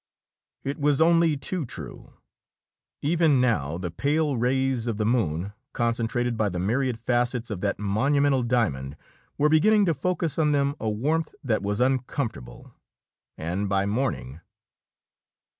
It was only too true. Even now, the pale rays of the moon, concentrated by the myriad facets of that monumental diamond, were beginning to focus on them a warmth that was uncomfortable. And by morning